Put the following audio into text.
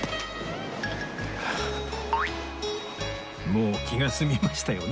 もう気が済みましたよね？